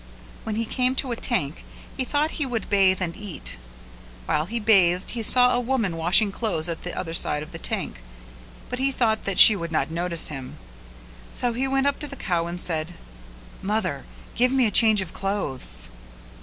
When he came to a tank he thought he would bathe and eat; while he bathed he saw a woman washing clothes at the other side of the tank but he thought that she would not notice him, so he went up to the cow and said "Mother, give me a change of clothes."